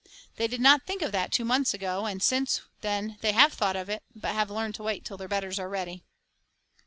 They did not think of that two months ago, and since then they have thought of it, but have learned to wait till their betters are ready.